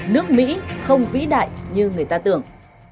nước mỹ không vĩ đại như người ta tưởng